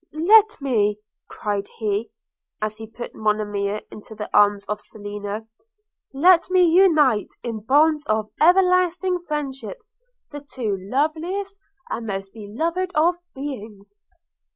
'Let me,' cried he, as he put Monimia into the arms of Selina – 'let me unite in bonds of everlasting friendship the two loveliest and most beloved of beings!'